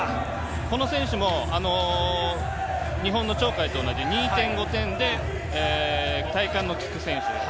この選手も日本の鳥海と同じ２．５点で体幹のきく選手。